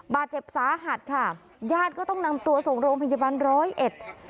บาดเจ็บสาหัสค่ะญาติก็ต้องนำตัวส่งโรงพยาบาลร้อยเอ็ด